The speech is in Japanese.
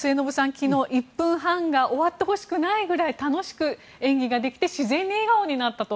昨日、１分半が終わってほしくないくらい楽しく演技ができて自然に笑顔になったと。